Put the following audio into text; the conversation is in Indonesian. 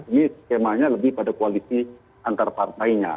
ini skemanya lebih pada koalisi antar partainya